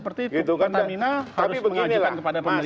pertamina harus mengajukan kepada pemerintah